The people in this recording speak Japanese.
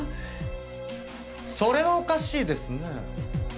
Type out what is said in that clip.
それはおかしいですね。